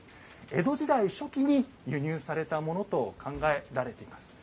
江戸時代初期に輸入されたものを考えられています。